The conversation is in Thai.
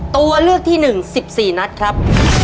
ตัวเลือกที่๑๑๔นัดครับ